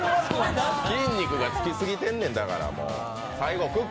筋肉がつきすぎてんねん。